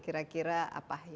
kira kira apa yang